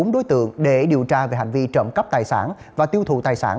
bốn đối tượng để điều tra về hành vi trộm cắp tài sản và tiêu thụ tài sản